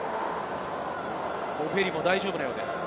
ボフェリも大丈夫なようです。